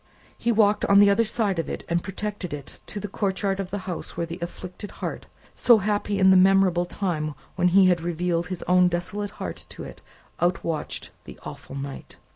He walked on the other side of it and protected it to the courtyard of the house where the afflicted heart so happy in the memorable time when he had revealed his own desolate heart to it outwatched the awful night.